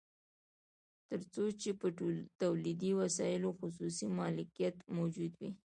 تر څو چې په تولیدي وسایلو خصوصي مالکیت موجود وي